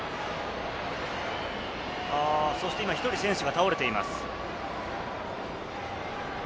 そして今、選手が倒れています。